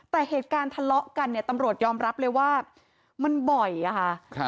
แต่เหตุการณ์ทะเลาะกันเนี่ยตำรวจยอมรับเลยว่ามันบ่อยอะค่ะ